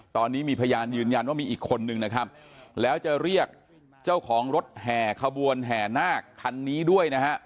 ตอนนี้มีพยานยืนยันว่ามีอีกคนนึงนะครับแล้วจะเรียกเจ้าของรถแห่ขบวนแห่นาคคันนี้ด้วยนะฮะ